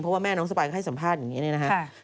เพราะว่าแม่น้องสปายก็ให้สัมภาษณ์อย่างนี้นะครับ